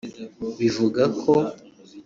Bivuga ko